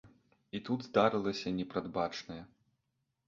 І тут здарылася непрадбачанае.